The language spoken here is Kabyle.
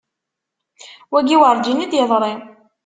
Wagi werǧin i d-yeḍri.